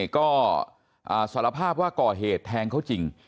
ก็สารภาพว่าก่อเหตุแทงเขาจริง